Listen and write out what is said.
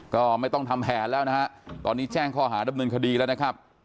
ก็ไม่ต้องทำแผนแล้วนะฮะตอนนี้แจ้งข้อหาดำเนินคดีแล้วนะครับ